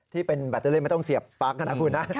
ที่เป็นแบตเตอเรียนไม่ต้องเสียบปลั๊กนะครับคุณนะ